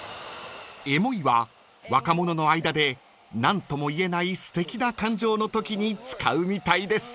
［エモいは若者の間で何ともいえないすてきな感情のときに使うみたいです］